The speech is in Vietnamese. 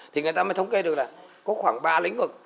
thì người ta mới thống kê được là có khoảng ba lĩnh vực